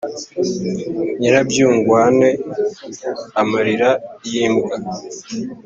Nyirabyungwane-Amarira y'imbwa.